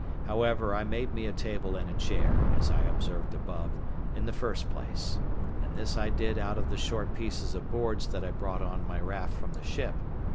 However, I made me a table and a chair, as I observed above, in the first place; and this I did out of the short pieces of boards that I brought on my raft from the ship.